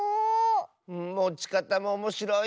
もちかたもおもしろい。